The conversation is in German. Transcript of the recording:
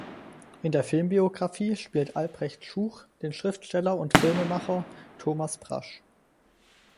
In der Filmbiografie spielt Albrecht Schuch den Schriftsteller und Filmemacher Thomas Brasch.